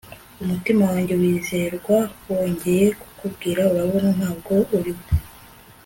umutima wanjye wizerwa wongeye kukubwira urabona, ntabwo uri we